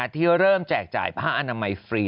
ที่เริ่มแจกจ่ายผ้าอนามัยฟรี